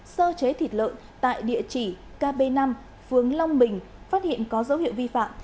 sơ chế thịt lợn tại địa chỉ kb năm phương long bình phát hiện có dấu hiệu vi phạm